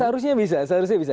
seharusnya bisa seharusnya bisa